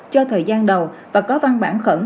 cho thời gian đầu và có văn bản khẩn